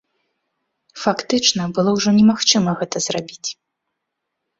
Фактычна было ўжо немагчыма гэта зрабіць.